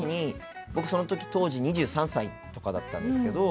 僕、その時当時２３歳とかだったんですけど